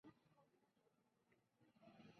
El Osage es la extensión sur de Flint Hills en Kansas.